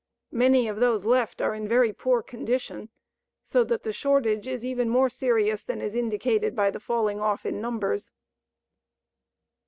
Many of those left are in very poor condition, so that the shortage is even more serious than is indicated by the falling off in numbers.